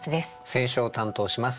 選書を担当します